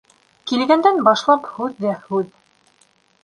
Килгәндән башлап һүҙ ҙә һүҙ.